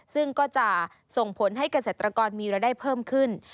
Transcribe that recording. ซึ่งก็จะส่งผลให้เกษตรกรมีรายได้เพิ่มขึ้น